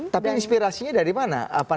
tapi inspirasinya dari mana